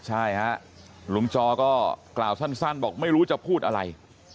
ใช่ฮะลุงจอก็กล่าวสั้นบอกไม่รู้จะพูดอะไร